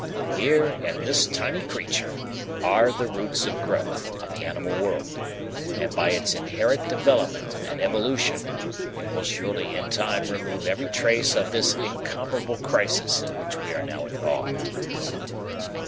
Here in this tiny creature are the roots of growth of the animal world, and by its inherent development, and evolution, it will surely in time remove every trace of this incomparable crisis in which we are now involved."